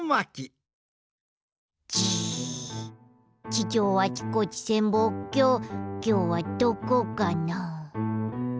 地上あちこち潜望鏡きょうはどこかな？